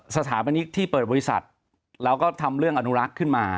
สถาบันนิกที่เปิดบริษัทแล้วก็ทำเรื่องอนุรักษ์ขึ้นมา